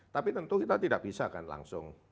tapi tentu kita tidak bisa kan langsung